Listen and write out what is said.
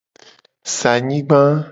Sa anyigba.